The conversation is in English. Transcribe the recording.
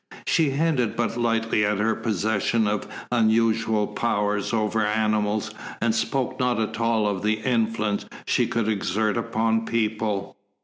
She hinted but lightly at her possession of unusual power over animals, and spoke not at all of the influence she could exert upon people.